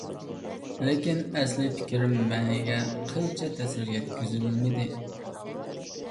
لېكىن، ئەسلىي پىكىر، مەنىگە قىلچە تەسىر يەتكۈزۈلمىدى.